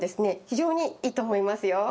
非常にいいと思いますよ。